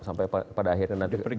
sampai pada akhirnya nanti benar benar